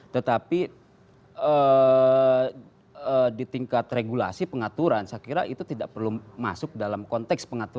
tetapi di tingkat regulasi pengaturan saya kira itu tidak perlu masuk dalam konteks pengaturan